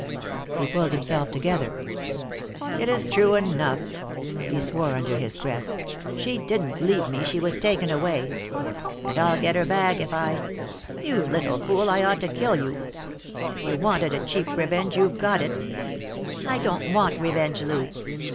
He pulled himself together. "It's true enough." He swore under his breath. "She didn't leave me. She was taken away. And I'll get her back if I You little fool, I ought to kill you. If you wanted a cheap revenge, you've got it." "I don't want revenge, Lou."